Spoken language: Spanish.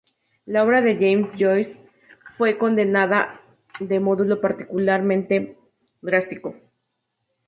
La obra de James Joyce fue condenada de modo particularmente drástico.